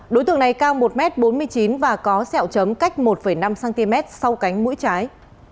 đối tượng này cao một bốn mươi chín m và có xẹo chấm cách một năm cm sau cánh mũi trái